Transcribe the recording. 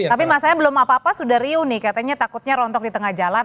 tapi masanya belum apa apa sudah riuh nih katanya takutnya rontok di tengah jalan